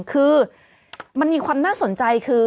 คือมันมีความน่าสนใจคือ